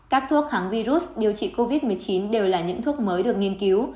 các thuốc kháng virus điều trị covid một mươi chín đều là những thuốc mới được nghiên cứu